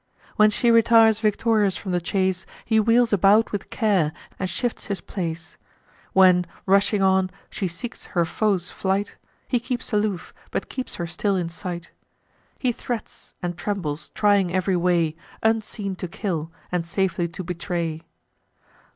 When she retires victorious from the chase, He wheels about with care, and shifts his place; When, rushing on, she seeks her foes in fight, He keeps aloof, but keeps her still in sight: He threats, and trembles, trying ev'ry way, Unseen to kill, and safely to betray.